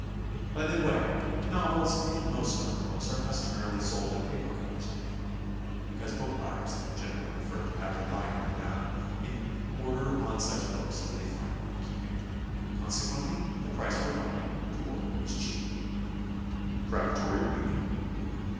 By the w^ay, novels and most other books are customarily sold in paper covers on the Continent, because book buyers there generally prefer to have their binding done to order on such books as they find worth keeping. Consequently the price for binding to order is cheap. PREPARATORY READING.